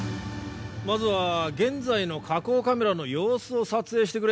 まずは現在の火口カメラの様子を撮影してくれ。